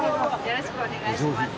よろしくお願いします。